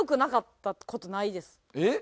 えっ？